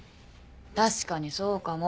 確かにそうかも。